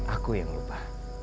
aku yang lupa